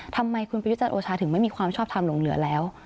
ทำไมคุณประยุจันทร์โอชาถึงไม่มีความชอบทำหลงเหลือแล้ว